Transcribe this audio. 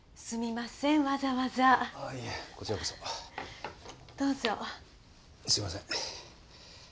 すいません。